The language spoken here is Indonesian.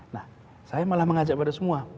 nah saya malah mengajak pada semua